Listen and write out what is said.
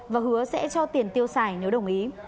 và hứa sẽ cho tiền tiêu xài nếu đồng ý